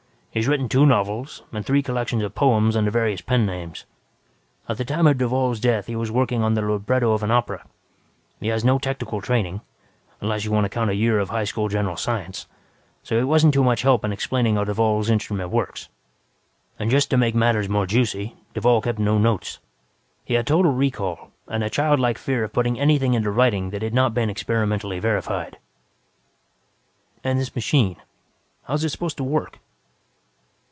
He has written two novels and three collections of poems under various pen names. At the time of Duvall's death, he was working on the libretto of an opera. He has had no technical training, unless you want to count a year of high school general science. So he wasn't too much help in explaining how Duvall's instrument works. "And, just to make matters more juicy, Duvall kept no notes. He had total recall and a childlike fear of putting anything into writing that had not been experimentally verified." "And this machine, how is it supposed to work?"